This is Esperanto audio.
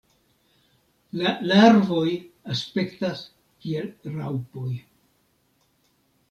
La larvoj aspektas kiel raŭpoj.